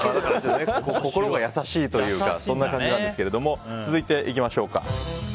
心が優しいというかそんな感じなんですけど続いていきましょうか。